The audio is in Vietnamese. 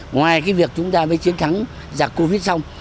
ngoài cái việc chúng ta mới chiến thắng giặc covid xong